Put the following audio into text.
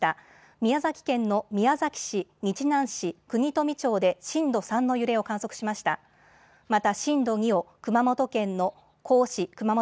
宮崎県の宮崎市、日南市、国富町で震度３の揺れを観測しました。